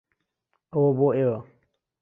ئەوە بۆ ئێوە.